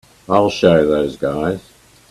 I'll show those guys.